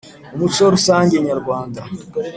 umuco rusange nyarwanda